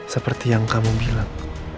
seperti yang kamu bilang